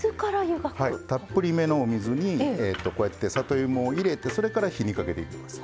たっぷりめのお水にこうやって里芋を入れてそれから火にかけていきます。